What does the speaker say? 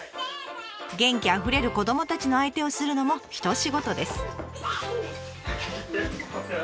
元気あふれる子どもたちの相手をするのも一仕事です。